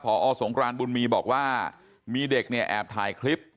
พอสงครานบุญมีบอกว่ามีเด็กเนี่ยแอบถ่ายคลิป